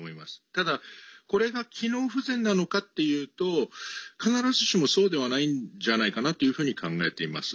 ただ、これが機能不全なのかというと必ずしもそうではないんじゃないかなと考えています。